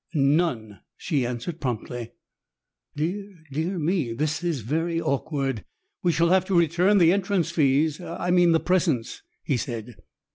"None," she answered promptly. "Dear, dear me that is very awkward. We shall have to return the entrance fees I mean the presents," he said.